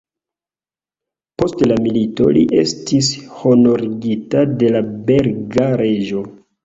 Post la milito li estis honorigita de la belga reĝo.